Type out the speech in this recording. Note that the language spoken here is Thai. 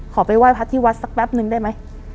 ไปไหว้พระที่วัดสักแป๊บนึงได้ไหม